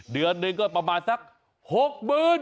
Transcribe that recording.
เดือนหนึ่งก็ประมาณสัก๖๐๐๐บาท